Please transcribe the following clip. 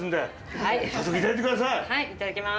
はいいただきます。